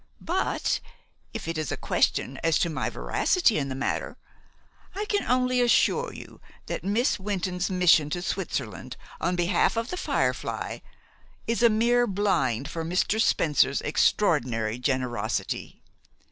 But, if it is a question as to my veracity in the matter, I can only assure you that Miss Wynton's mission to Switzerland on behalf of 'The Firefly' is a mere blind for Mr. Spencer's extraordinary generosity.